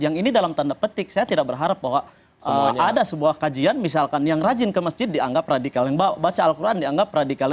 yang ini dalam tanda petik saya tidak berharap bahwa ada sebuah kajian misalkan yang rajin ke masjid dianggap radikal yang baca al quran dianggap radikal